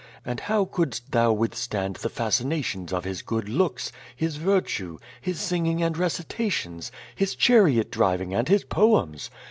And how couldst thou withstand the fascinations of his good looks, his virtue, his sinsring and recitations, his chariot driving, and his poems?